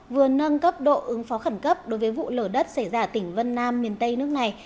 vừa nâng cấp độ ứng phó khẩn cấp đối với vụ lở đất xảy ra ở tỉnh vân nam miền tây nước này